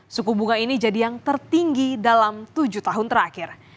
suku bunga ini jadi yang tertinggi dalam tujuh tahun terakhir